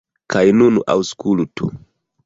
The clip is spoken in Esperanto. Kaj nun aŭskultu!